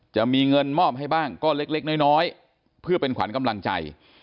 จะมีเงินมอบให้บ้างก็เล็กน้อยเพื่อเป็นขวัญกำลังใจ